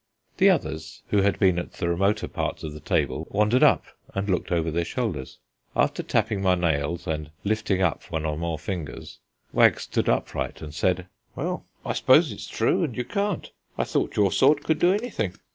The others, who had been at the remoter parts of the table, wandered up and looked over their shoulders. After tapping my nails and lifting up one or more fingers, Wag stood upright and said: "Well, I s'pose it's true, and you can't. I thought your sort could do anything."